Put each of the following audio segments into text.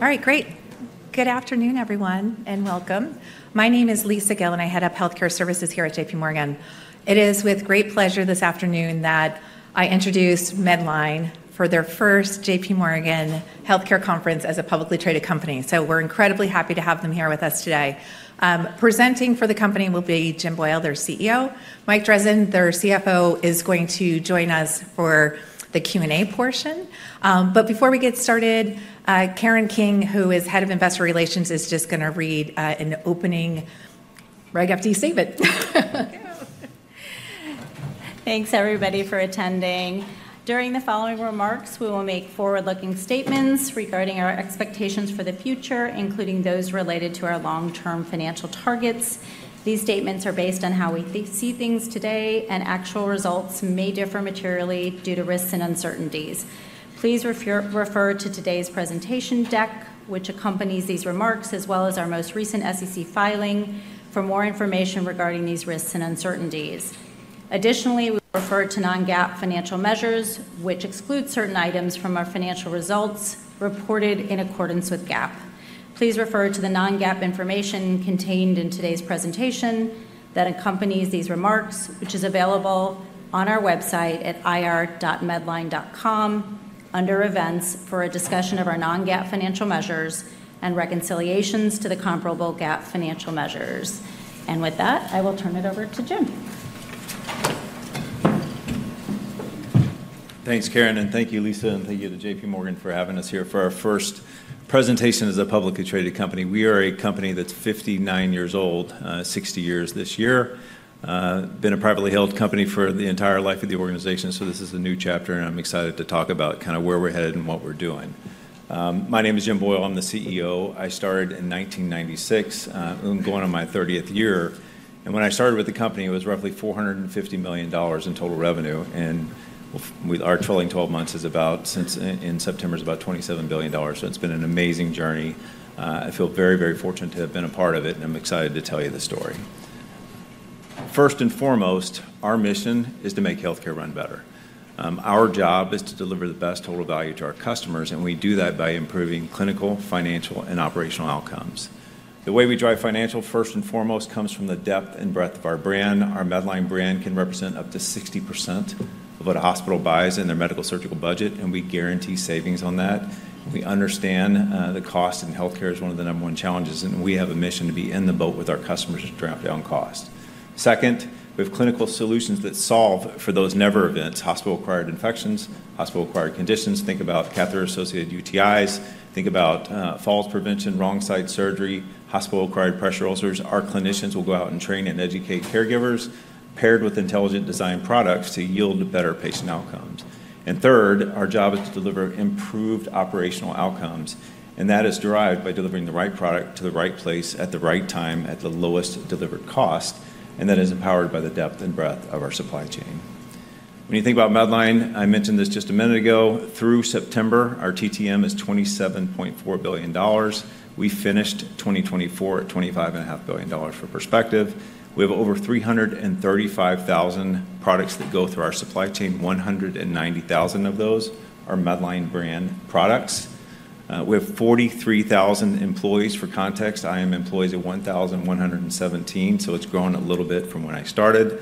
All right, great. Good afternoon, everyone, and welcome. My name is Lisa Gill, and I head up Healthcare Services here at JPMorgan. It is with great pleasure this afternoon that I introduce Medline for their first JPMorgan Healthcare Conference as a publicly traded company. So we're incredibly happy to have them here with us today. Presenting for the company will be Jim Boyle, their CEO. Mike Drazin, their CFO, is going to join us for the Q&A portion. But before we get started, Karen King, who is Head of Investor Relations, is just going to read an opening remarks. Thanks, everybody, for attending. During the following remarks, we will make forward-looking statements regarding our expectations for the future, including those related to our long-term financial targets. These statements are based on how we see things today, and actual results may differ materially due to risks and uncertainties. Please refer to today's presentation deck, which accompanies these remarks, as well as our most recent SEC filing for more information regarding these risks and uncertainties. Additionally, we will refer to non-GAAP financial measures, which exclude certain items from our financial results reported in accordance with GAAP. Please refer to the non-GAAP information contained in today's presentation that accompanies these remarks, which is available on our website at ir.medline.com under Events for a discussion of our non-GAAP financial measures and reconciliations to the comparable GAAP financial measures. And with that, I will turn it over to Jim. Thanks, Karen, and thank you, Lisa, and thank you to JPMorgan for having us here for our first presentation as a publicly traded company. We are a company that's 59 years old, 60 years this year. Been a privately held company for the entire life of the organization, so this is a new chapter, and I'm excited to talk about kind of where we're headed and what we're doing. My name is Jim Boyle. I'm the CEO. I started in 1996. I'm going on my 30th year. And when I started with the company, it was roughly $450 million in total revenue. And our trailing 12 months is about, in September, it's about $27 billion. So it's been an amazing journey. I feel very, very fortunate to have been a part of it, and I'm excited to tell you the story. First and foremost, our mission is to make healthcare run better. Our job is to deliver the best total value to our customers, and we do that by improving clinical, financial, and operational outcomes. The way we drive financial, first and foremost, comes from the depth and breadth of our brand. Medline brand can represent up to 60% of what a hospital buys in their medical surgical budget, and we guarantee savings on that. We understand the cost, and healthcare is one of the number one challenges, and we have a mission to be in the boat with our customers to drop down cost. Second, we have clinical solutions that solve for those never events: hospital-acquired infections, hospital-acquired conditions. Think about catheter-associated UTIs. Think about falls prevention, wrong-side surgery, hospital-acquired pressure ulcers. Our clinicians will go out and train and educate caregivers, paired with intelligent design products to yield better patient outcomes, and third, our job is to deliver improved operational outcomes, and that is derived by delivering the right product to the right place at the right time at the lowest delivered cost, and that is empowered by the depth and breadth of our supply chain. When you think about Medline, I mentioned this just a minute ago. Through September, our TTM is $27.4 billion. We finished 2024 at $25.5 billion. For perspective, we have over 335,000 products that go through our supply chain. 190,000 of those Medline brand products. We have 43,000 employees. For context, IM employees are 1,117, so it's grown a little bit from when I started.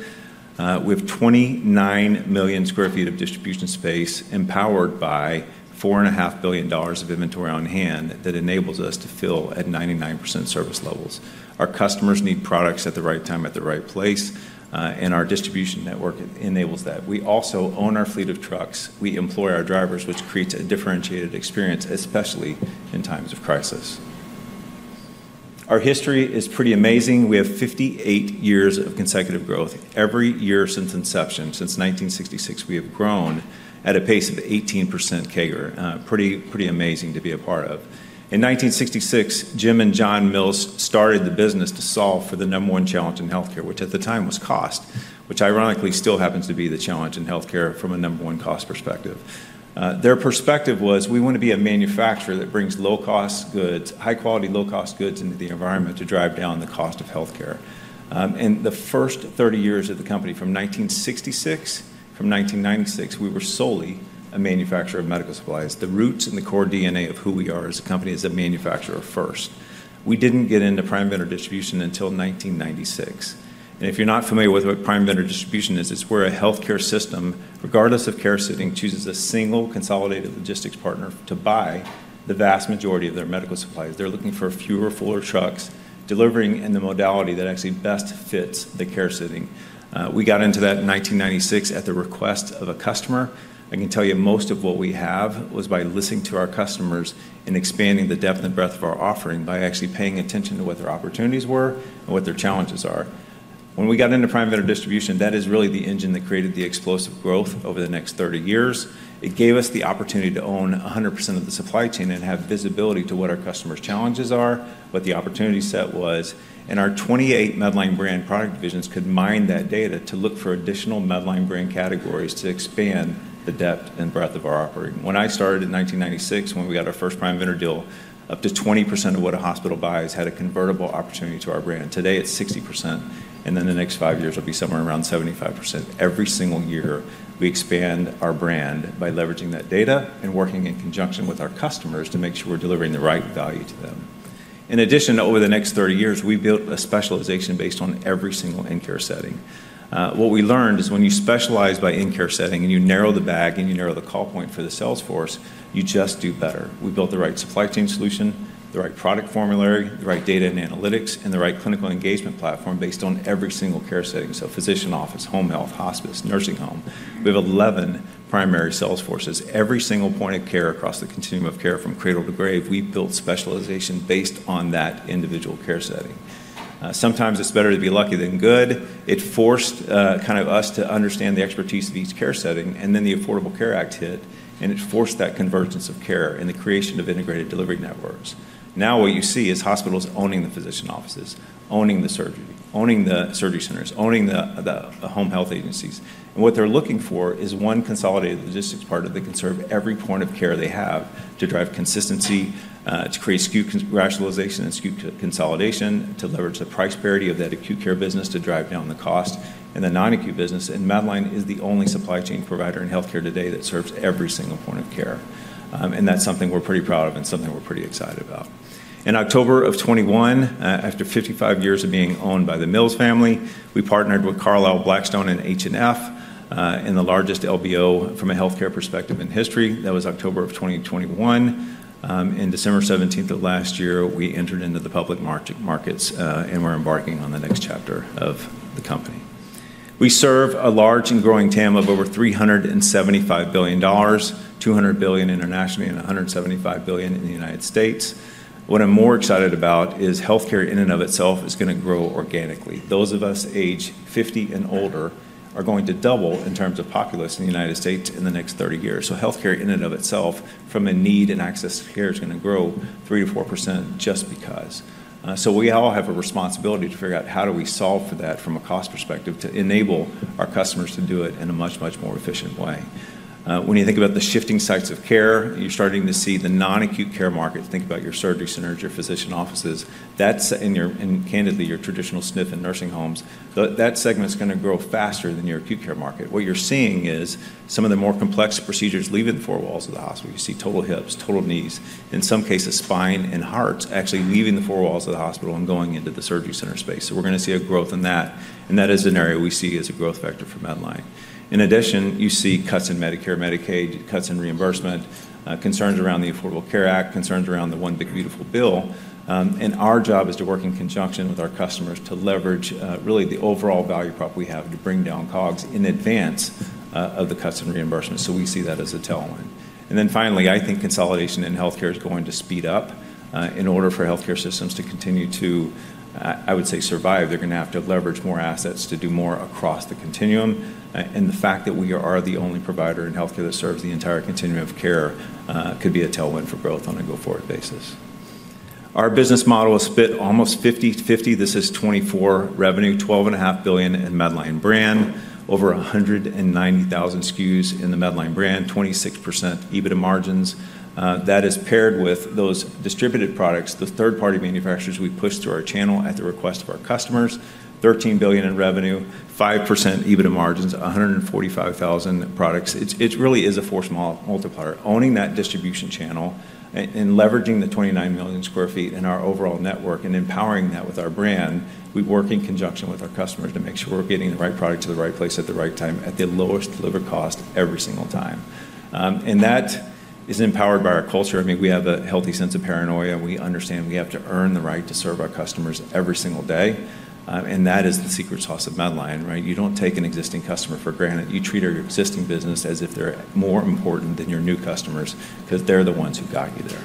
We have 29 million sq ft of distribution space empowered by $4.5 billion of inventory on hand that enables us to fill at 99% service levels. Our customers need products at the right time at the right place, and our distribution network enables that. We also own our fleet of trucks. We employ our drivers, which creates a differentiated experience, especially in times of crisis. Our history is pretty amazing. We have 58 years of consecutive growth. Every year since inception, since 1966, we have grown at a pace of 18% CAGR. Pretty amazing to be a part of. In 1966, Jim Mills and Jon Mills started the business to solve for the number one challenge in healthcare, which at the time was cost, which ironically still happens to be the challenge in healthcare from a number one cost perspective. Their perspective was, we want to be a manufacturer that brings low-cost goods, high-quality low-cost goods into the environment to drive down the cost of healthcare. And the first 30 years of the company, from 1966, from 1996, we were solely a manufacturer of medical supplies. The roots and the core DNA of who we are as a company is a manufacturer first. We didn't get into Prime Vendor distribution until 1996. And if you're not familiar with what Prime Vendor distribution is, it's where a healthcare system, regardless of care setting, chooses a single consolidated logistics partner to buy the vast majority of their medical supplies. They're looking for fewer fuller trucks delivering in the modality that actually best fits the care setting. We got into that in 1996 at the request of a customer. I can tell you most of what we have was by listening to our customers and expanding the depth and breadth of our offering by actually paying attention to what their opportunities were and what their challenges are. When we got into Prime Vendor distribution, that is really the engine that created the explosive growth over the next 30 years. It gave us the opportunity to own 100% of the supply chain and have visibility to what our customers' challenges are, what the opportunity set was, and our Medline brand product divisions could mine that data to look for Medline brand categories to expand the depth and breadth of our offering. When I started in 1996, when we got our first Prime Vendor deal, up to 20% of what a hospital buys had a convertible opportunity to our brand. Today, it's 60%, and then the next five years it'll be somewhere around 75%. Every single year, we expand our brand by leveraging that data and working in conjunction with our customers to make sure we're delivering the right value to them. In addition, over the next 30 years, we built a specialization based on every single care setting. What we learned is when you specialize by care setting and you narrow the bag and you narrow the call point for the sales force, you just do better. We built the right supply chain solution, the right product formulary, the right data and analytics, and the right clinical engagement platform based on every single care setting. So physician office, home health, hospice, nursing home. We have 11 primary sales forces. Every single point of care across the continuum of care from cradle to grave, we built specialization based on that individual care setting. Sometimes it's better to be lucky than good. It forced kind of us to understand the expertise of each care setting, and then the Affordable Care Act hit, and it forced that convergence of care and the creation of integrated delivery networks. Now what you see is hospitals owning the physician offices, owning the surgery, owning the surgery centers, owning the home health agencies, and what they're looking for is one consolidated logistics partner that can serve every point of care they have to drive consistency, to create SKU rationalization and SKU consolidation, to leverage the price parity of that acute care business to drive down the cost, and the non-acute business. Medline is the only supply chain provider in healthcare today that serves every single point of care. That's something we're pretty proud of and something we're pretty excited about. In October of 2021, after 55 years of being owned by the Mills family, we partnered with Carlyle, Blackstone, and H&F in the largest LBO from a healthcare perspective in history. That was October of 2021. In December 17th of last year, we entered into the public markets, and we're embarking on the next chapter of the company. We serve a large and growing TAM of over $375 billion, $200 billion internationally, and $175 billion in the United States. What I'm more excited about is healthcare in and of itself is going to grow organically. Those of us age 50 and older are going to double in terms of populace in the United States in the next 30 years. Healthcare in and of itself, from a need and access to care, is going to grow 3%-4% just because. So we all have a responsibility to figure out how do we solve for that from a cost perspective to enable our customers to do it in a much, much more efficient way. When you think about the shifting sites of care, you're starting to see the non-acute care market. Think about your surgery centers, your physician offices. That's in, candidly, your traditional SNF and nursing homes. That segment's going to grow faster than your acute care market. What you're seeing is some of the more complex procedures leaving the four walls of the hospital. You see total hips, total knees, in some cases, spine and hearts actually leaving the four walls of the hospital and going into the surgery center space. So we're going to see a growth in that, and that is an area we see as a growth factor for Medline. In addition, you see cuts in Medicare, Medicaid, cuts in reimbursement, concerns around the Affordable Care Act, concerns around the One Big Beautiful Bill. Our job is to work in conjunction with our customers to leverage really the overall value prop we have to bring down COGS in advance of the cuts in reimbursement. We see that as a tailwind. Then finally, I think consolidation in healthcare is going to speed up. In order for healthcare systems to continue to, I would say, survive, they're going to have to leverage more assets to do more across the continuum. The fact that we are the only provider in healthcare that serves the entire continuum of care could be a tailwind for growth on a go-forward basis. Our business model is split almost 50/50. This is 24 revenue, $12.5 billion Medline brand, over 190,000 SKUs in Medline brand, 26% EBITDA margins. That is paired with those distributed products, the third-party manufacturers we push through our channel at the request of our customers, $13 billion in revenue, 5% EBITDA margins, 145,000 products. It really is a force multiplier. Owning that distribution channel and leveraging the 29 million sq ft in our overall network and empowering that with our brand, we work in conjunction with our customers to make sure we're getting the right product to the right place at the right time at the lowest delivered cost every single time. That is empowered by our culture. I mean, we have a healthy sense of paranoia. We understand we have to earn the right to serve our customers every single day. And that is the secret sauce of Medline, right? You don't take an existing customer for granted. You treat your existing business as if they're more important than your new customers because they're the ones who got you there.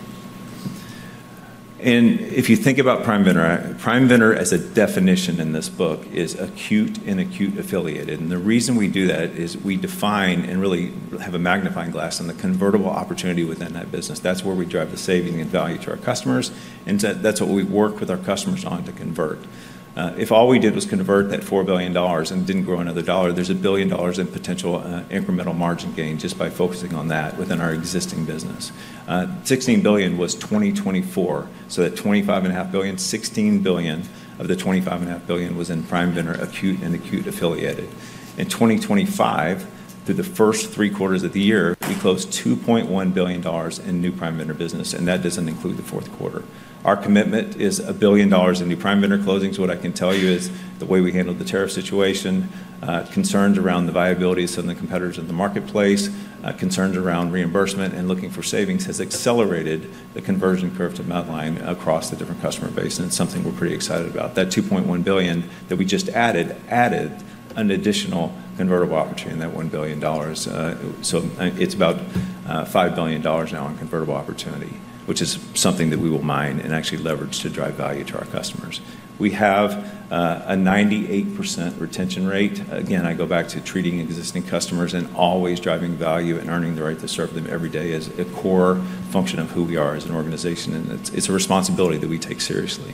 And if you think about Prime Vendor, Prime Vendor as a definition in this book is acute and acute affiliated. And the reason we do that is we define and really have a magnifying glass on the convertible opportunity within that business. That's where we drive the savings and value to our customers. And that's what we work with our customers on to convert. If all we did was convert that $4 billion and didn't grow another dollar, there's a billion dollars in potential incremental margin gain just by focusing on that within our existing business. $16 billion was 2024. So that $25.5 billion, $16 billion of the $25.5 billion was in Prime Vendor acute and acute affiliated. In 2025, through the first three quarters of the year, we closed $2.1 billion in new Prime Vendor business, and that doesn't include the fourth quarter. Our commitment is a billion dollars in new Prime Vendor closings. What I can tell you is the way we handled the tariff situation, concerns around the viability of some of the competitors in the marketplace, concerns around reimbursement and looking for savings has accelerated the conversion curve to Medline across the different customer base, and it's something we're pretty excited about. That $2.1 billion that we just added an additional convertible opportunity in that $1 billion. So it's about $5 billion now in convertible opportunity, which is something that we will mine and actually leverage to drive value to our customers. We have a 98% retention rate. Again, I go back to treating existing customers and always driving value and earning the right to serve them every day is a core function of who we are as an organization, and it's a responsibility that we take seriously.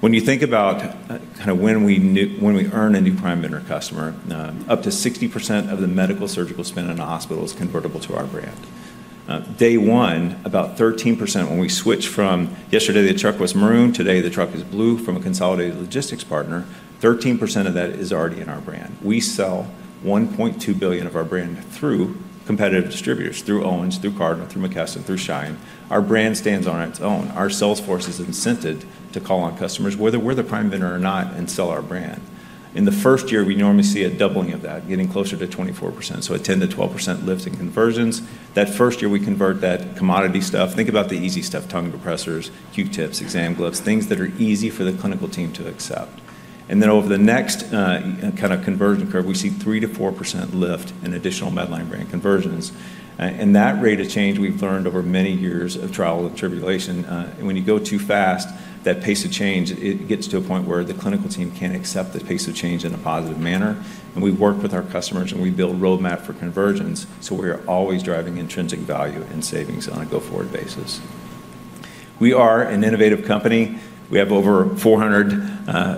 When you think about kind of when we earn a new Prime Vendor customer, up to 60% of the medical surgical spend in the hospital is convertible to our brand. Day one, about 13% when we switch from yesterday, the truck was maroon. Today, the truck is blue from a consolidated logistics partner. 13% of that is already in our brand. We sell $1.2 billion of our brand through competitive distributors, through Owens, through Cardinal, through McKesson, through Schein. Our brand stands on its own. Our salesforce is incented to call on customers, whether we're the Prime Vendor or not, and sell our brand. In the first year, we normally see a doubling of that, getting closer to 24%, so a 10%-12% lift in conversions. That first year, we convert that commodity stuff. Think about the easy stuff: tongue depressors, Q-tips, exam gloves, things that are easy for the clinical team to accept, and then over the next kind of conversion curve, we see 3%-4% lift in Medline brand conversions, and that rate of change, we've learned over many years of trial and tribulation. When you go too fast, that pace of change gets to a point where the clinical team can't accept the pace of change in a positive manner. We work with our customers, and we build roadmaps for conversions. So we are always driving intrinsic value and savings on a go-forward basis. We are an innovative company. We have over 400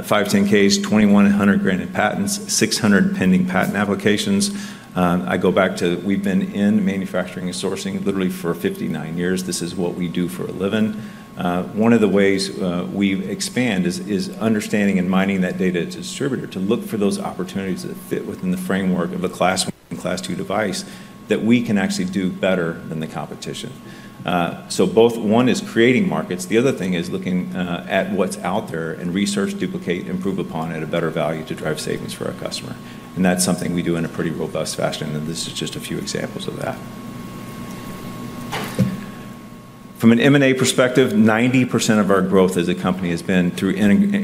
510(k)s, 2,100 granted patents, 600 pending patent applications. I go back to, we've been in manufacturing and sourcing literally for 59 years. This is what we do for a living. One of the ways we expand is understanding and mining that data as a distributor to look for those opportunities that fit within the framework of a Class I and Class II device that we can actually do better than the competition. So both one is creating markets. The other thing is looking at what's out there and research, duplicate, improve upon at a better value to drive savings for our customer. And that's something we do in a pretty robust fashion. And this is just a few examples of that. From an M&A perspective, 90% of our growth as a company has been through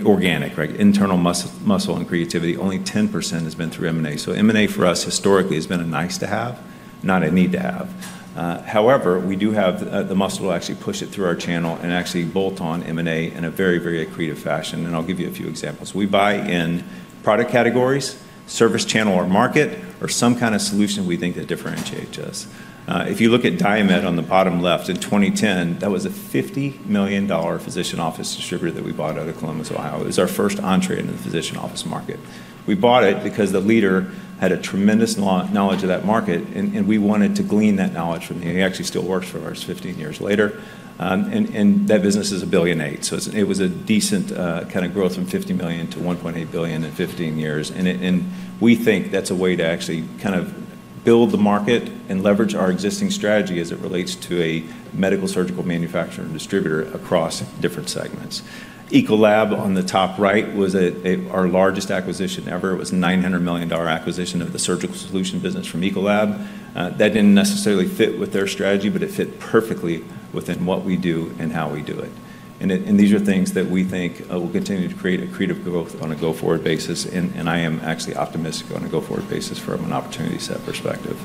organic, right? Internal muscle and creativity. Only 10% has been through M&A. So M&A for us historically has been a nice to have, not a need to have. However, we do have the muscle to actually push it through our channel and actually bolt on M&A in a very, very creative fashion. And I'll give you a few examples. We buy in product categories, service channel or market, or some kind of solution we think that differentiates us. If you look at DiaMed on the bottom left in 2010, that was a $50 million physician office distributor that we bought out of Columbus, Ohio. It was our first entree into the physician office market. We bought it because the leader had a tremendous knowledge of that market, and we wanted to glean that knowledge from him. He actually still works for us 15 years later, and that business is $1.8 billion. So it was a decent kind of growth from $50 million to $1.8 billion in 15 years, and we think that's a way to actually kind of build the market and leverage our existing strategy as it relates to a medical surgical manufacturer and distributor across different segments. Ecolab on the top right was our largest acquisition ever. It was a $900 million acquisition of the surgical solution business from Ecolab. That didn't necessarily fit with their strategy, but it fit perfectly within what we do and how we do it, and these are things that we think will continue to create a creative growth on a go-forward basis, and I am actually optimistic on a go-forward basis from an opportunity set perspective.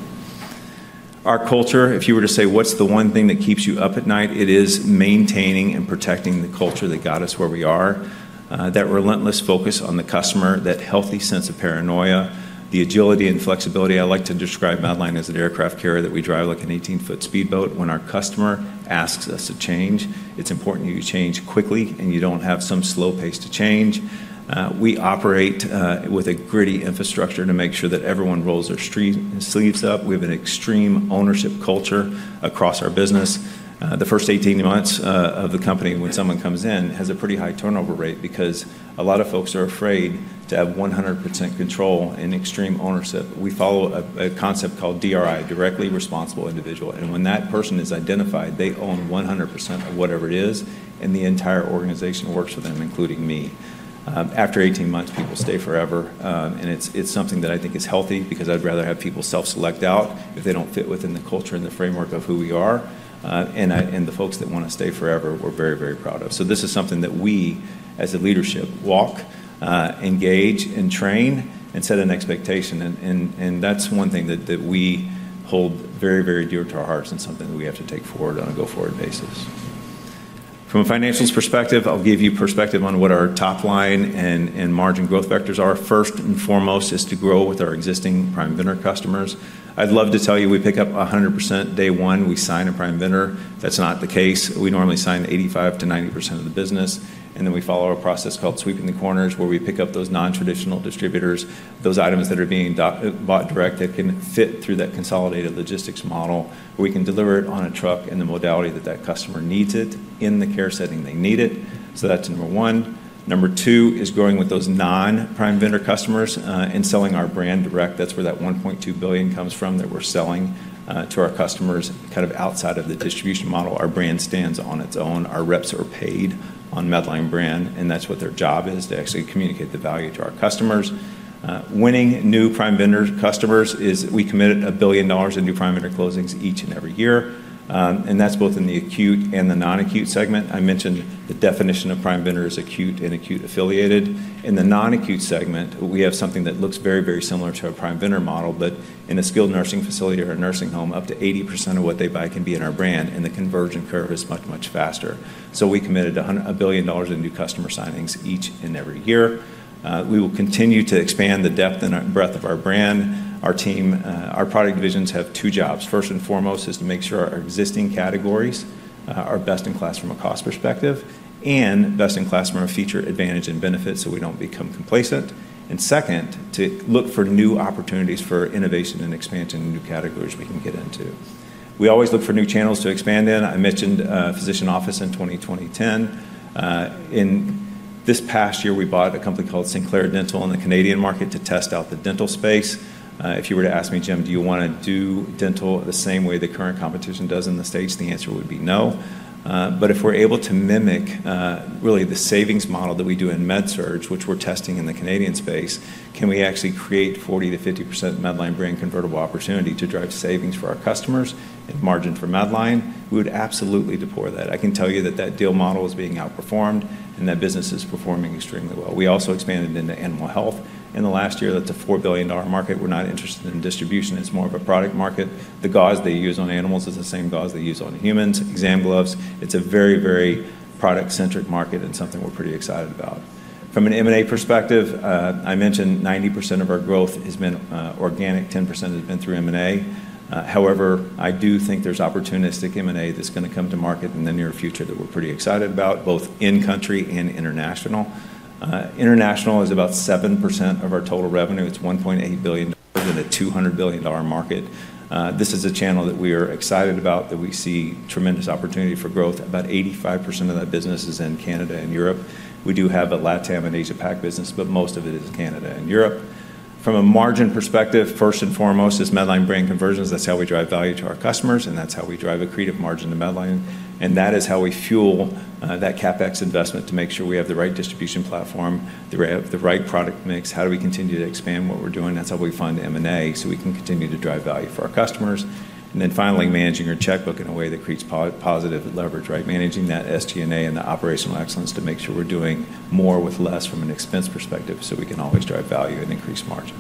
Our culture, if you were to say, what's the one thing that keeps you up at night? It is maintaining and protecting the culture that got us where we are. That relentless focus on the customer, that healthy sense of paranoia, the agility and flexibility. I like to describe Medline as an aircraft carrier that we drive like an 18 ft speedboat. When our customer asks us to change, it's important you change quickly, and you don't have some slow pace to change. We operate with a gritty infrastructure to make sure that everyone rolls their sleeves up. We have an extreme ownership culture across our business. The first 18 months of the company, when someone comes in, has a pretty high turnover rate because a lot of folks are afraid to have 100% control and extreme ownership. We follow a concept called DRI, Directly Responsible Individual, and when that person is identified, they own 100% of whatever it is, and the entire organization works with them, including me. After 18 months, people stay forever, and it's something that I think is healthy because I'd rather have people self-select out if they don't fit within the culture and the framework of who we are. And the folks that want to stay forever, we're very, very proud of, so this is something that we, as a leadership, walk, engage, and train, and set an expectation. That's one thing that we hold very, very dear to our hearts and something that we have to take forward on a go-forward basis. From a financials perspective, I'll give you perspective on what our top line and margin growth vectors are. First and foremost is to grow with our existing Prime Vendor customers. I'd love to tell you we pick up 100% day one. We sign a Prime Vendor. That's not the case. We normally sign 85%-90% of the business. And then we follow a process called sweeping the corners where we pick up those non-traditional distributors, those items that are being bought direct that can fit through that consolidated logistics model where we can deliver it on a truck in the modality that that customer needs it in the care setting they need it. That's number one. Number two is growing with those non-Prime Vendor customers and selling our brand direct. That's where that $1.2 billion comes from that we're selling to our customers kind of outside of the distribution model. Our brand stands on its own. Our reps are paid Medline brand, and that's what their job is to actually communicate the value to our customers. Winning new Prime Vendor customers is we commit $1 billion in new Prime Vendor closings each and every year. And that's both in the acute and the non-acute segment. I mentioned the definition of Prime Vendor is acute and acute affiliated. In the non-acute segment, we have something that looks very, very similar to our Prime Vendor model, but in a skilled nursing facility or a nursing home, up to 80% of what they buy can be in our brand, and the conversion curve is much, much faster. So we committed $1 billion in new customer signings each and every year. We will continue to expand the depth and breadth of our brand. Our team, our product divisions have two jobs. First and foremost is to make sure our existing categories are best in class from a cost perspective and best in class from a future advantage and benefit so we don't become complacent, and second, to look for new opportunities for innovation and expansion in new categories we can get into. We always look for new channels to expand in. I mentioned physician office in 2010. In this past year, we bought a company called Sinclair Dental on the Canadian market to test out the dental space. If you were to ask me, "Jim, do you want to do dental the same way the current competition does in the States?" the answer would be no. But if we're able to mimic really the savings model that we do in MedSurg, which we're testing in the Canadian space, can we actually create Medline brand convertible opportunity to drive savings for our customers and margin for Medline? We would absolutely deploy that. I can tell you that that deal model is being outperformed and that business is performing extremely well. We also expanded into animal health. In the last year, that's a $4 billion market. We're not interested in distribution. It's more of a product market. The gauze they use on animals is the same gauze they use on humans, exam gloves. It's a very, very product-centric market and something we're pretty excited about. From an M&A perspective, I mentioned 90% of our growth has been organic. 10% has been through M&A. However, I do think there's opportunistic M&A that's going to come to market in the near future that we're pretty excited about, both in-country and international. International is about 7% of our total revenue. It's $1.8 billion in a $200 billion market. This is a channel that we are excited about that we see tremendous opportunity for growth. About 85% of that business is in Canada and Europe. We do have a LATAM and Asia-Pac business, but most of it is Canada and Europe. From a margin perspective, first and foremost Medline brand conversions. That's how we drive value to our customers, and that's how we drive a greater margin to Medline. And that is how we fuel that CapEx investment to make sure we have the right distribution platform, the right product mix. How do we continue to expand what we're doing? That's how we fund M&A so we can continue to drive value for our customers. And then finally, managing your checkbook in a way that creates positive leverage, right? Managing that SG&A and the operational excellence to make sure we're doing more with less from an expense perspective so we can always drive value and increase margin.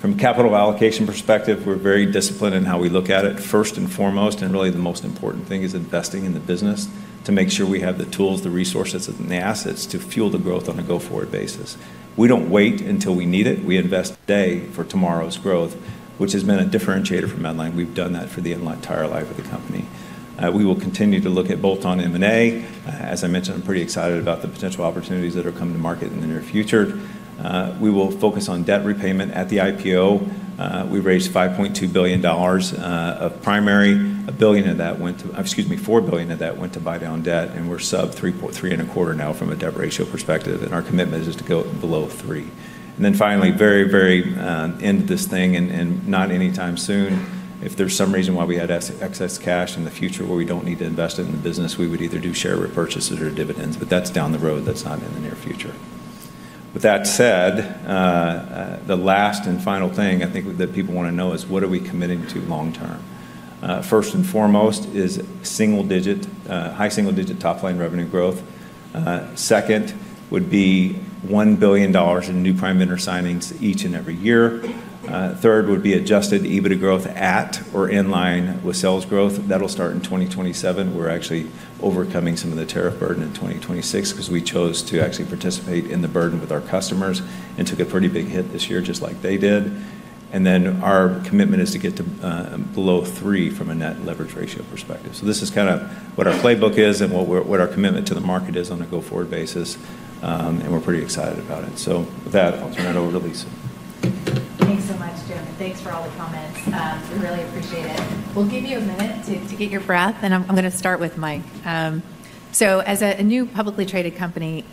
From a capital allocation perspective, we're very disciplined in how we look at it. First and foremost, and really the most important thing is investing in the business to make sure we have the tools, the resources, and the assets to fuel the growth on a go-forward basis. We don't wait until we need it. We invest today for tomorrow's growth, which has been a differentiator for Medline. We've done that for the entire life of the company. We will continue to look at bolt-on M&A. As I mentioned, I'm pretty excited about the potential opportunities that are coming to market in the near future. We will focus on debt repayment at the IPO. We raised $5.2 billion of primary. A billion of that went to, excuse me, $4 billion of that went to buy down debt. And we're sub 3.3x and a quarter now from a debt ratio perspective. And our commitment is to go below 3x. And then finally, very, very end of this thing, and not anytime soon, if there's some reason why we had excess cash in the future where we don't need to invest it in the business, we would either do share repurchases or dividends. But that's down the road. That's not in the near future. With that said, the last and final thing I think that people want to know is what are we committing to long term? First and foremost is single-digit, high single-digit top-line revenue growth. Second would be $1 billion in new Prime Vendor signings each and every year. Third would be adjusted EBITDA growth at or in line with sales growth. That'll start in 2027. We're actually overcoming some of the tariff burden in 2026 because we chose to actually participate in the burden with our customers and took a pretty big hit this year just like they did, and then our commitment is to get to below 3x from a net leverage ratio perspective so this is kind of what our playbook is and what our commitment to the market is on a go-forward basis, and we're pretty excited about it so with that, I'll turn it over to Lisa. Thanks so much, Jim. Thanks for all the comments. We really appreciate it. We'll give you a minute to get your breath, and I'm going to start with Mike, so as a new publicly traded company,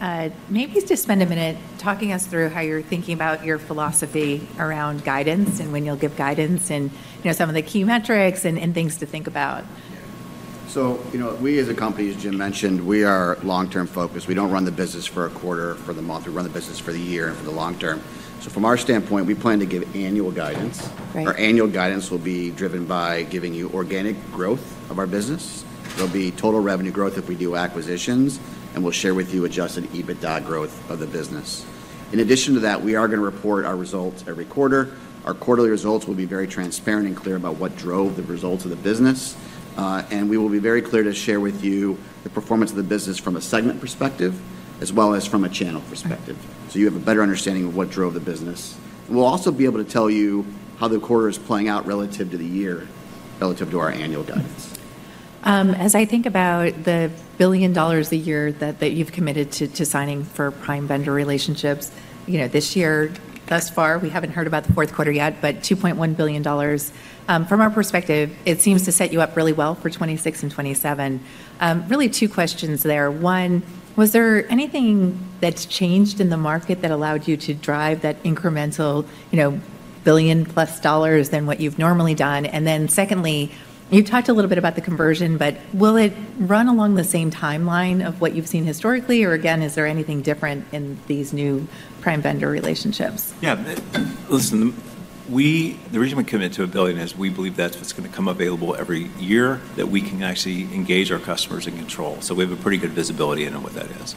maybe just spend a minute talking us through how you're thinking about your philosophy around guidance and when you'll give guidance and some of the key metrics and things to think about. Yeah. So we as a company, as Jim mentioned, we are long-term focused. We don't run the business for a quarter or for the month. We run the business for the year and for the long term. So from our standpoint, we plan to give annual guidance. Our annual guidance will be driven by giving you organic growth of our business. There'll be total revenue growth if we do acquisitions. And we'll share with you adjusted EBITDA growth of the business. In addition to that, we are going to report our results every quarter. Our quarterly results will be very transparent and clear about what drove the results of the business. And we will be very clear to share with you the performance of the business from a segment perspective as well as from a channel perspective. So you have a better understanding of what drove the business. We'll also be able to tell you how the quarter is playing out relative to the year, relative to our annual guidance. As I think about the billion dollars a year that you've committed to signing for Prime Vendor relationships, this year, thus far, we haven't heard about the fourth quarter yet, but $2.1 billion. From our perspective, it seems to set you up really well for 2026 and 2027. Really two questions there. One, was there anything that's changed in the market that allowed you to drive that incremental billion-plus dollars than what you've normally done? And then secondly, you've talked a little bit about the conversion, but will it run along the same timeline of what you've seen historically? Or again, is there anything different in these new Prime Vendor relationships? Yeah. Listen, the reason we commit to $1 billion is we believe that's what's going to come available every year that we can actually engage our customers and control. So we have a pretty good visibility into what that is.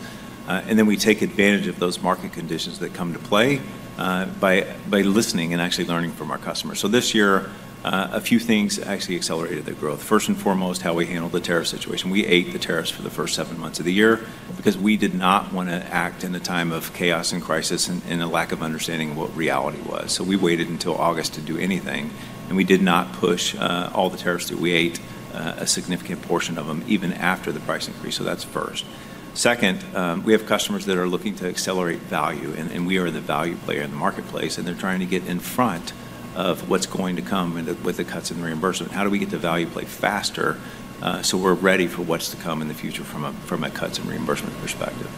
And then we take advantage of those market conditions that come into play by listening and actually learning from our customers. So this year, a few things actually accelerated the growth. First and foremost, how we handled the tariff situation. We ate the tariffs for the first seven months of the year because we did not want to act in a time of chaos and crisis and a lack of understanding of what reality was. So we waited until August to do anything. And we did not push all the tariffs that we ate, a significant portion of them, even after the price increase. So that's first. Second, we have customers that are looking to accelerate value. And we are the value player in the marketplace. And they're trying to get in front of what's going to come with the cuts and reimbursement. How do we get the value play faster so we're ready for what's to come in the future from a cuts and reimbursement perspective?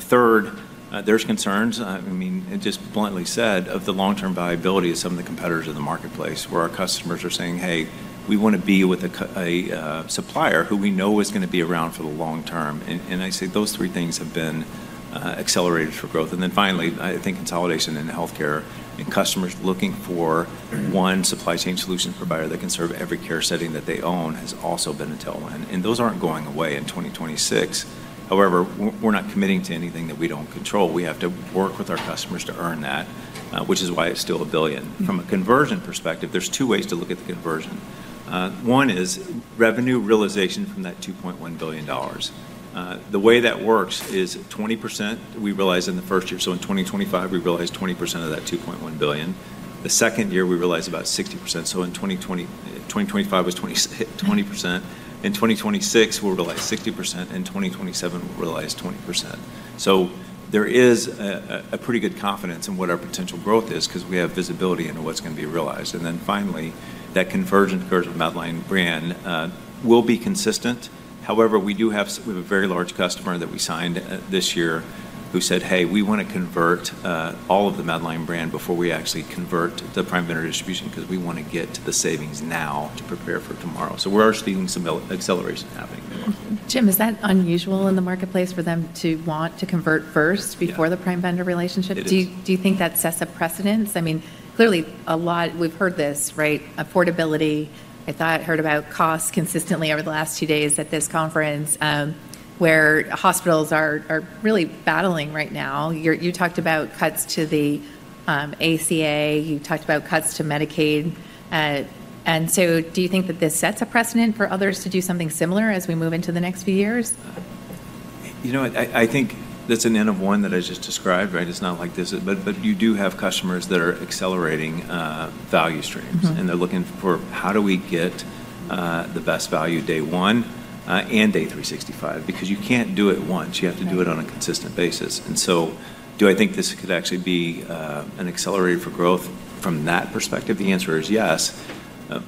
Third, there's concerns, I mean, just bluntly said, of the long-term viability of some of the competitors in the marketplace where our customers are saying, "Hey, we want to be with a supplier who we know is going to be around for the long term." And I say those three things have been accelerators for growth. And then finally, I think consolidation in healthcare and customers looking for one supply chain solution provider that can serve every care setting that they own has also been a tailwind. Those aren't going away in 2026. However, we're not committing to anything that we don't control. We have to work with our customers to earn that, which is why it's still a billion. From a conversion perspective, there's two ways to look at the conversion. One is revenue realization from that $2.1 billion. The way that works is 20%. We realized in the first year. So in 2025, we realized 20% of that $2.1 billion. The second year, we realized about 60%. So in 2025 was 20%. In 2026, we'll realize 60%. In 2027, we'll realize 20%. So there is a pretty good confidence in what our potential growth is because we have visibility into what's going to be realized. And then finally, that conversion curve Medline brand will be consistent. However, we do have a very large customer that we signed this year who said, "Hey, we want to convert all of Medline brand before we actually convert the Prime Vendor distribution because we want to get to the savings now to prepare for tomorrow." So we're seeing some acceleration happening. Jim, is that unusual in the marketplace for them to want to convert first before the Prime Vendor relationship? Do you think that sets a precedent? I mean, clearly, we've heard this, right? Affordability. I thought I'd heard about costs consistently over the last few days at this conference where hospitals are really battling right now. You talked about cuts to the ACA. You talked about cuts to Medicaid. And so do you think that this sets a precedent for others to do something similar as we move into the next few years? You know, I think that's an end of one that I just described, right? It's not like this. But you do have customers that are accelerating value streams. And they're looking for how do we get the best value day one and day 365 because you can't do it once. You have to do it on a consistent basis. And so do I think this could actually be an accelerator for growth from that perspective? The answer is yes.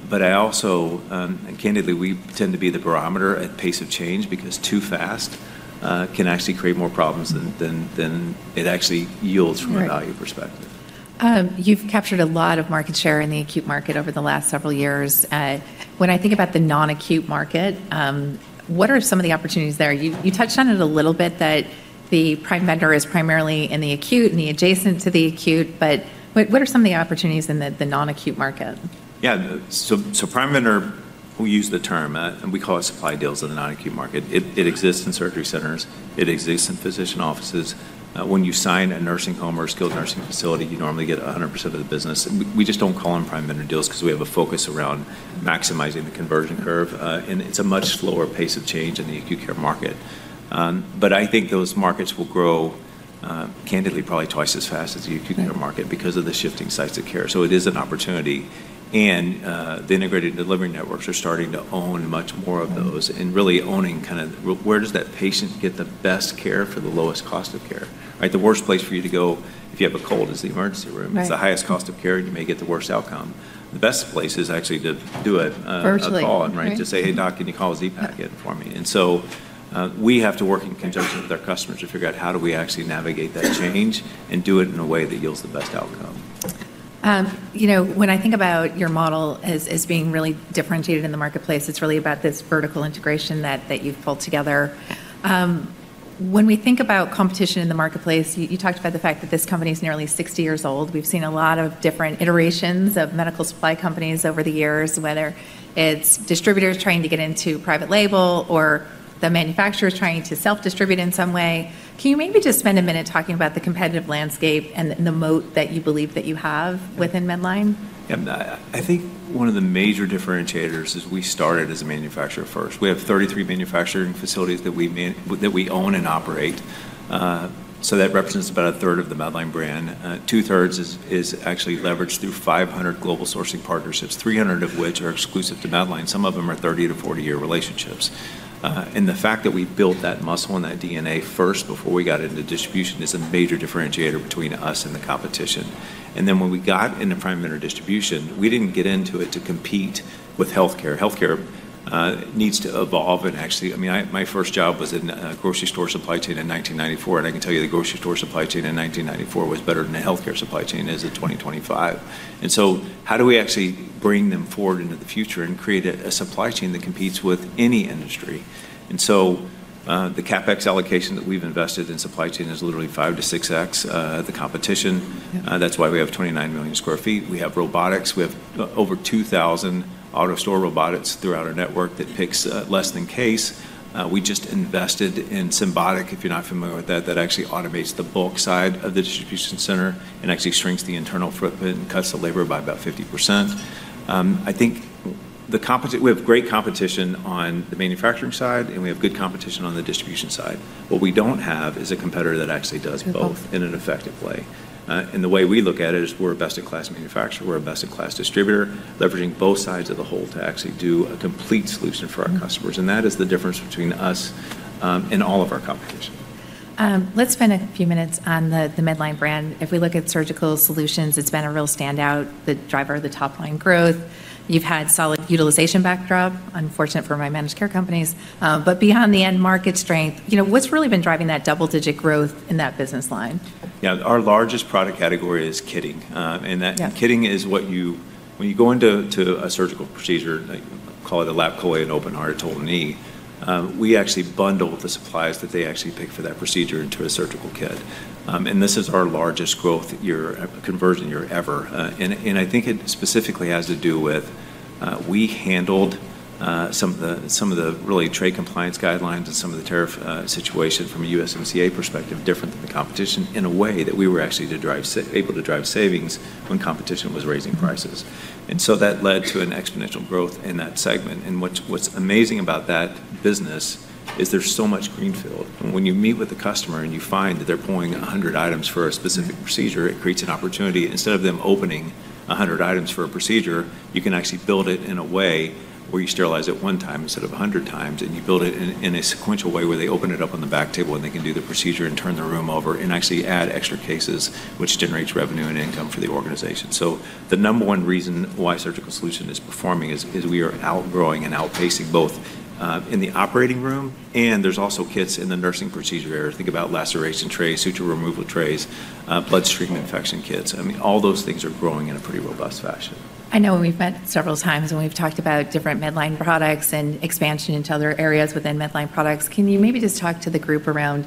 But I also, and candidly, we tend to be the barometer at pace of change because too fast can actually create more problems than it actually yields from a value perspective. You've captured a lot of market share in the acute market over the last several years. When I think about the non-acute market, what are some of the opportunities there? You touched on it a little bit that the Prime Vendor is primarily in the acute and the adjacent to the acute, but what are some of the opportunities in the non-acute market? Yeah. So Prime Vendor, we'll use the term, and we call it supply deals in the non-acute market. It exists in surgery centers. It exists in physician offices. When you sign a nursing home or a skilled nursing facility, you normally get 100% of the business. We just don't call them Prime Vendor deals because we have a focus around maximizing the conversion curve. And it's a much slower pace of change in the acute care market. But I think those markets will grow, candidly, probably twice as fast as the acute care market because of the shifting sites of care. So it is an opportunity. And the integrated delivery networks are starting to own much more of those and really owning kind of where does that patient get the best care for the lowest cost of care, right? The worst place for you to go if you have a cold is the emergency room. It's the highest cost of care. You may get the worst outcome. The best place is actually to do a call and, right, to say, "Hey, doc, can you call a Z-Pak in for me?" and so we have to work in conjunction with our customers to figure out how do we actually navigate that change and do it in a way that yields the best outcome. When I think about your model as being really differentiated in the marketplace, it's really about this vertical integration that you've pulled together. When we think about competition in the marketplace, you talked about the fact that this company is nearly 60 years old. We've seen a lot of different iterations of medical supply companies over the years, whether it's distributors trying to get into private label or the manufacturers trying to self-distribute in some way. Can you maybe just spend a minute talking about the competitive landscape and the moat that you believe that you have within Medline? Yeah. I think one of the major differentiators is we started as a manufacturer first. We have 33 manufacturing facilities that we own and operate. So that represents about a third of Medline brand. two-thirds is actually leveraged through 500 global sourcing partnerships, 300 of which are exclusive to Medline. Some of them are 30-40-year relationships. And the fact that we built that muscle and that DNA first before we got into distribution is a major differentiator between us and the competition. And then when we got into Prime Vendor distribution, we didn't get into it to compete with healthcare. Healthcare needs to evolve and actually, I mean, my first job was in grocery store supply chain in 1994. And I can tell you the grocery store supply chain in 1994 was better than the healthcare supply chain as of 2025. How do we actually bring them forward into the future and create a supply chain that competes with any industry? The CapEx allocation that we've invested in supply chain is literally 5x-6x the competition. That's why we have 29 million sq ft. We have robotics. We have over 2,000 AutoStore robotics throughout our network that picks less than case. We just invested in Symbotic, if you're not familiar with that, that actually automates the bulk side of the distribution center and actually shrinks the internal footprint and cuts the labor by about 50%. I think we have great competition on the manufacturing side, and we have good competition on the distribution side. What we don't have is a competitor that actually does both in an effective way. The way we look at it is we're a best-in-class manufacturer. We're a best-in-class distributor, leveraging both sides of the whole to actually do a complete solution for our customers, and that is the difference between us and all of our competition. Let's spend a few minutes on Medline brand. if we look at surgical solutions, it's been a real standout, the driver of the top-line growth. You've had solid utilization backdrop, unfortunate for my managed care companies. But beyond the end market strength, what's really been driving that double-digit growth in that business line? Yeah. Our largest product category is kitting. And kitting is what you, when you go into a surgical procedure, call it a lap chole, an open heart, a total knee, we actually bundle the supplies that they actually pick for that procedure into a surgical kit. And this is our largest growth conversion year ever. And I think it specifically has to do with we handled some of the really trade compliance guidelines and some of the tariff situation from a USMCA perspective different than the competition in a way that we were actually able to drive savings when competition was raising prices. And so that led to an exponential growth in that segment. And what's amazing about that business is there's so much greenfield. And when you meet with a customer and you find that they're pulling 100 items for a specific procedure, it creates an opportunity. Instead of them opening 100 items for a procedure, you can actually build it in a way where you sterilize it one time instead of 100 times, and you build it in a sequential way where they open it up on the back table and they can do the procedure and turn the room over and actually add extra cases, which generates revenue and income for the organization, so the number one reason why Surgical Solution is performing is we are outgrowing and outpacing both in the operating room, and there's also kits in the nursing procedure area. Think about laceration trays, suture removal trays, bloodstream infection kits. I mean, all those things are growing in a pretty robust fashion. I know we've met several times and we've talked about different Medline products and expansion into other areas within Medline products. Can you maybe just talk to the group around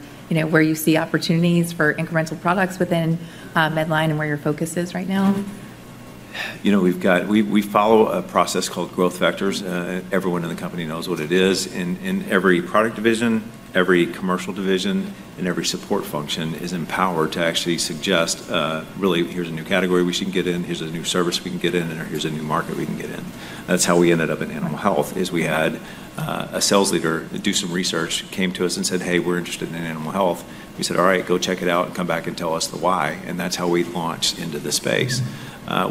where you see opportunities for incremental products within Medline and where your focus is right now? You know, we follow a process called growth vectors. Everyone in the company knows what it is, and every product division, every commercial division, and every support function is empowered to actually suggest, "Really, here's a new category we should get in. Here's a new service we can get in, and here's a new market we can get in." That's how we ended up in animal health is we had a sales leader do some research, came to us and said, "Hey, we're interested in animal health." We said, "All right, go check it out and come back and tell us the why," and that's how we launched into the space.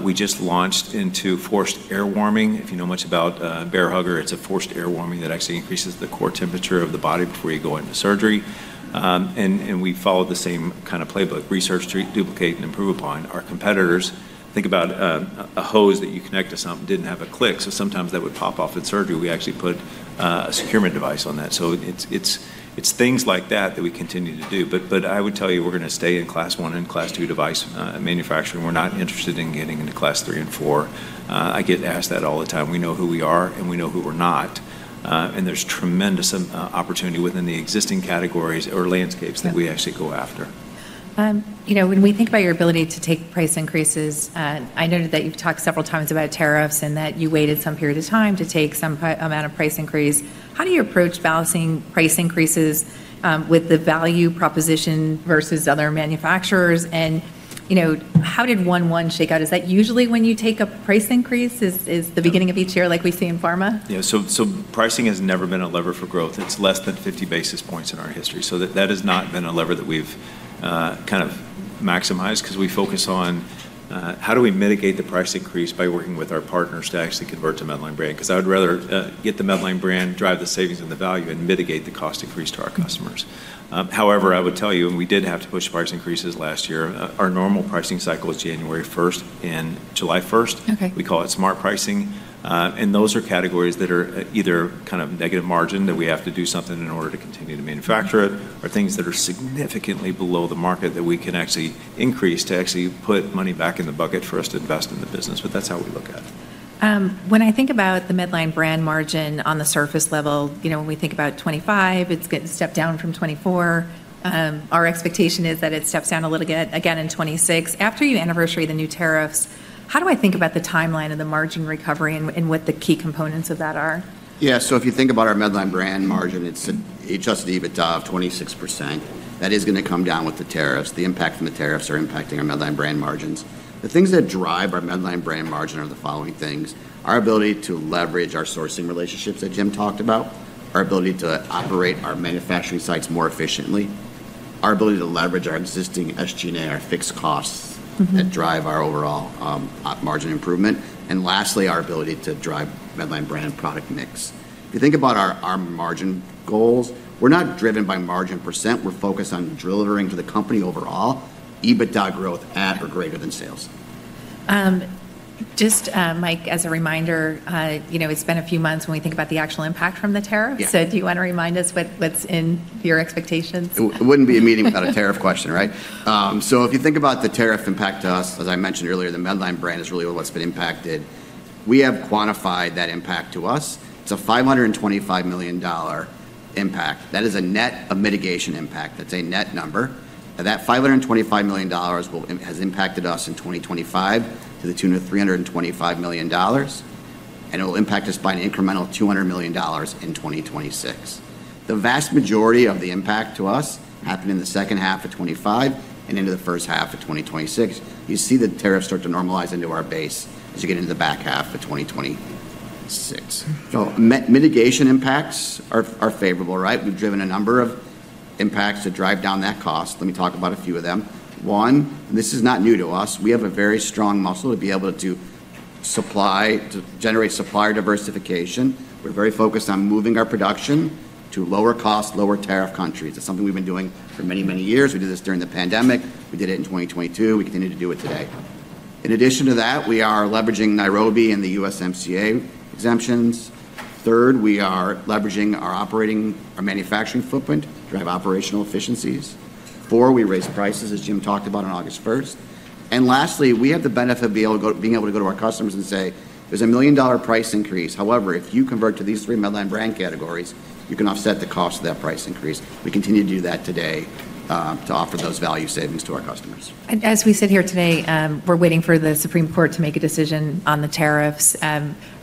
We just launched into forced air warming. If you know much about Bair Hugger, it's a forced air warming that actually increases the core temperature of the body before you go into surgery. We followed the same kind of playbook: research, duplicate, and improve upon. Our competitors, think about a hose that you connect to something. Didn't have a click. So sometimes that would pop off in surgery. We actually put a securement device on that. So it's things like that that we continue to do. But I would tell you, we're going to stay in Class I and Class II device manufacturing. We're not interested in getting into Class III and IV. I get asked that all the time. We know who we are, and we know who we're not. And there's tremendous opportunity within the existing categories or landscapes that we actually go after. When we think about your ability to take price increases, I noted that you've talked several times about tariffs and that you waited some period of time to take some amount of price increase. How do you approach balancing price increases with the value proposition versus other manufacturers? How did it shake out? Is that usually when you take a price increase? Is the beginning of each year like we see in pharma? Yeah. So pricing has never been a lever for growth. It's less than 50 basis points in our history. So that has not been a lever that we've kind of maximized because we focus on how do we mitigate the price increase by working with our partners to actually convert Medline brand? because I would rather get Medline brand, drive the savings and the value, and mitigate the cost increase to our customers. However, I would tell you, and we did have to push price increases last year. Our normal pricing cycle is January 1st and July 1st. We call it smart pricing. Those are categories that are either kind of negative margin that we have to do something in order to continue to manufacture it or things that are significantly below the market that we can actually increase to actually put money back in the bucket for us to invest in the business. That's how we look at it. When I think about Medline brand margin on the surface level, when we think about 2025, it's getting stepped down from 2024. Our expectation is that it steps down a little bit again in 2026. After your anniversary, the new tariffs, how do I think about the timeline and the margin recovery and what the key components of that are? Yeah. So if you think about Medline brand margin, it's adjusted EBITDA of 26%. That is going to come down with the tariffs. The impact from the tariffs are impacting Medline brand margins. The things that drive Medline brand margin are the following things: our ability to leverage our sourcing relationships that Jim talked about, our ability to operate our manufacturing sites more efficiently, our ability to leverage our existing SG&A, our fixed costs that drive our overall margin improvement, and lastly, our ability to Medline brand product mix. If you think about our margin goals, we're not driven by margin percent. We're focused on delivering to the company overall, EBITDA growth at or greater than sales. Just, Mike, as a reminder, it's been a few months when we think about the actual impact from the tariff. So do you want to remind us what's in your expectations? It wouldn't be a meeting without a tariff question, right? So if you think about the tariff impact to us, as I mentioned earlier, Medline brand is really what's been impacted. We have quantified that impact to us. It's a $525 million impact. That is a net of mitigation impact. That's a net number. That $525 million has impacted us in 2025 to the tune of $325 million. And it will impact us by an incremental $200 million in 2026. The vast majority of the impact to us happened in the second half of 2025 and into the first half of 2026. You see the tariffs start to normalize into our base as you get into the back half of 2026. So mitigation impacts are favorable, right? We've driven a number of impacts to drive down that cost. Let me talk about a few of them. One, and this is not new to us. We have a very strong muscle to be able to generate supplier diversification. We're very focused on moving our production to lower-cost, lower-tariff countries. It's something we've been doing for many, many years. We did this during the pandemic. We did it in 2022. We continue to do it today. In addition to that, we are leveraging nearshoring and the USMCA exemptions. Third, we are leveraging our operating, our manufacturing footprint to drive operational efficiencies. Four, we raise prices, as Jim talked about on August 1st. And lastly, we have the benefit of being able to go to our customers and say, "There's a million-dollar price increase. However, if you convert to these Medline brand categories, you can offset the cost of that price increase." We continue to do that today to offer those value savings to our customers. As we sit here today, we're waiting for the Supreme Court to make a decision on the tariffs.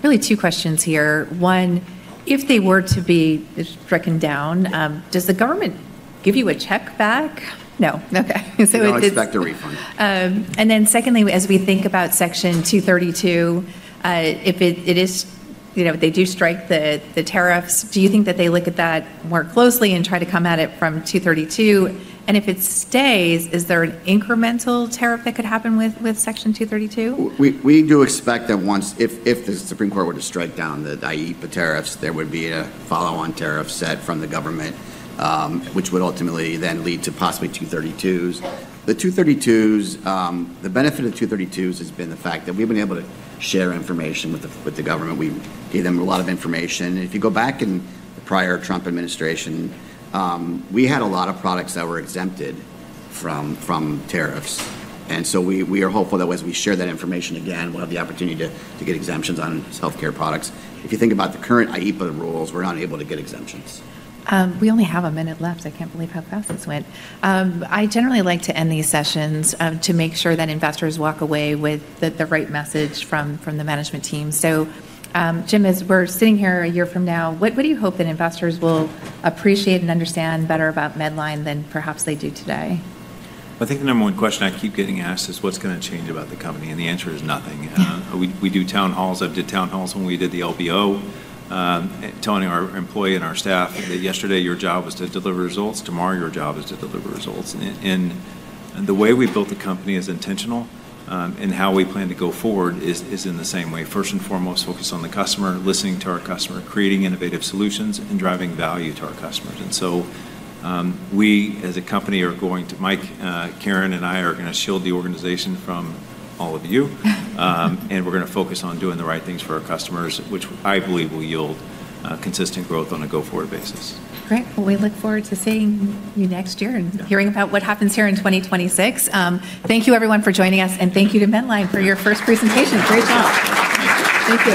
Really two questions here. One, if they were to be struck down, does the government give you a check back? No. Okay. No, expect a refund. And then secondly, as we think about Section 232, if they do strike the tariffs, do you think that they look at that more closely and try to come at it from 232? And if it stays, is there an incremental tariff that could happen with Section 232? We do expect that once if the Supreme Court were to strike down the IEEPA tariffs, there would be a follow-on tariff set from the government, which would ultimately then lead to possibly 232s. The 232s, the benefit of 232s has been the fact that we've been able to share information with the government. We gave them a lot of information. If you go back in the prior Trump administration, we had a lot of products that were exempted from tariffs. And so we are hopeful that as we share that information again, we'll have the opportunity to get exemptions on healthcare products. If you think about the current IEEPA rules, we're not able to get exemptions. We only have a minute left. I can't believe how fast this went. I generally like to end these sessions to make sure that investors walk away with the right message from the management team. So Jim, as we're sitting here a year from now, what do you hope that investors will appreciate and understand better about Medline than perhaps they do today? I think the number one question I keep getting asked is, "What's going to change about the company?" And the answer is nothing. We do town halls. I did town halls when we did the LBO, telling our employees and our staff that yesterday your job was to deliver results. Tomorrow, your job is to deliver results. And the way we built the company is intentional, and how we plan to go forward is in the same way. First and foremost, focus on the customer, listening to our customer, creating innovative solutions, and driving value to our customers. And so we, as a company, are going to, Mike, Karen, and I are going to shield the organization from all of you. And we're going to focus on doing the right things for our customers, which I believe will yield consistent growth on a go-forward basis. Great. Well, we look forward to seeing you next year and hearing about what happens here in 2026. Thank you, everyone, for joining us. And thank you to Medline for your first presentation. Great job. Thank you.